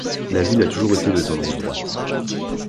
La ville a toujours été de tendance droite.